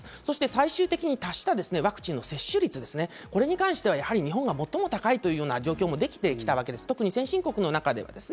最終的に達したワクチン接種率に関しては日本が最も高いという状況ができてきたわけです、先進国の中で。